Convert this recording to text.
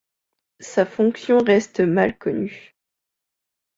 Sa fonction reste mal connue.